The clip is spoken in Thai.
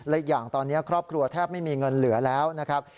และอีกอย่างตอนนี้ครอบครัวแทบไม่มีเงินเหลือแล้วนะครับ